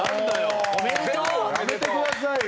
やめてくださいよ。